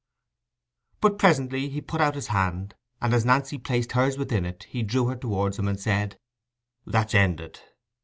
But presently he put out his hand, and as Nancy placed hers within it, he drew her towards him, and said— "That's ended!"